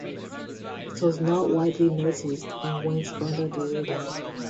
It was not widely noticed and went under the radar.